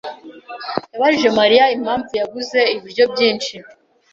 yabajije Mariya impamvu yaguze ibiryo byinshi.